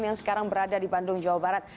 yang sekarang berada di bandung jawa barat